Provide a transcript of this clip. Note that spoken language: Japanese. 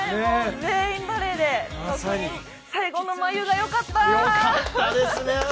全員バレーで本当に最後の真佑がよかった。